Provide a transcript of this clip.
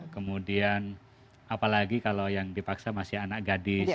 kemudian apalagi kalau yang dipaksa masih anak gadis